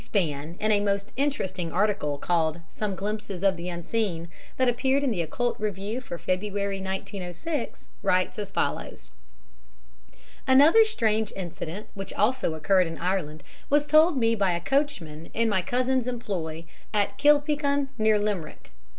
Span, in a most interesting article called "Some Glimpses of the Unseen," that appeared in the Occult Review for February, 1906, writes as follows: "Another strange incident, which also occurred in Ireland, was told me by a coachman in my cousin's employ at Kilpeacon, near Limerick.